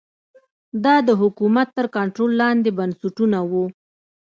دا د حکومت تر کنټرول لاندې بنسټونه وو